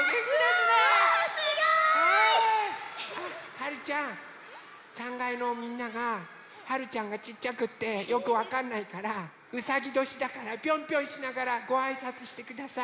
はるちゃん３かいのみんながはるちゃんがちっちゃくってよくわかんないからうさぎどしだからピョンピョンしながらごあいさつしてください。